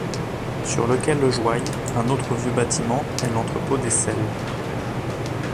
Sur le quai Lejoille, un autre vieux bâtiment est l'entrepôt des sels.